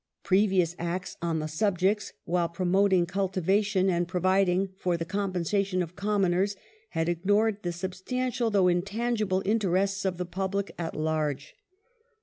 Previous Acts on the subjects while promoting cultivation and providing for the compensation of "commoners" had ignored the substantial though intangible interests of the public at large.